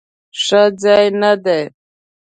ښه ځای نه دی؟